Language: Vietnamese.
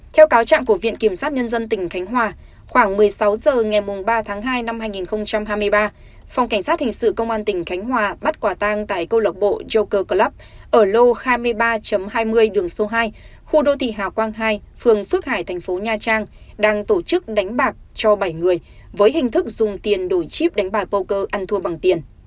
theo cáo trạng của viện kiểm sát nhân dân tỉnh khánh hòa khoảng một mươi sáu h ngày ba tháng hai năm hai nghìn hai mươi ba phòng cảnh sát hình sự công an tỉnh khánh hòa bắt quả tang tại câu lạc bộ joker club ở lô hai mươi ba hai mươi đường số hai khu đô thị hà quang hai phường phước hải thành phố nha trang đang tổ chức đánh bạc cho bảy người với hình thức dùng tiền đổi chip đánh bạc poker ăn thua bằng tiền